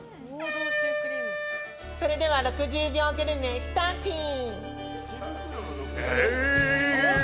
それでは６０秒グルメスターティン！